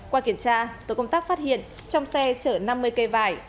qua kiểm tra tổ công tác phát hiện trong xe chở năm mươi cây vải